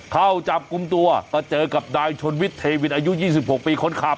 เข้าจับกลุ่มตัวก็เจอกับนายชนวิทย์เทวินอายุ๒๖ปีคนขับ